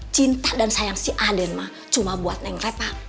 cinta dan sayang si aden mah cuma buat nengrepa